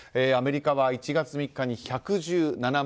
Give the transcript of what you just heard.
アメリカは１月３日に１１７万人。